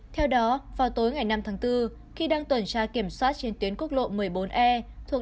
theo đó vào tối ngày năm tháng bốn khi đang tuần tra kiểm soát trên tuyến quốc lộ một mươi bốn e thuộc